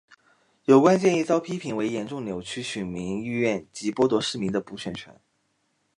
有关建议遭批评为严重扭曲选民意愿及剥夺市民的补选权。